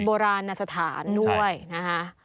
โบราณสถานด้วยนะคะ